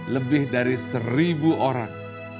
lebih dari seribu orang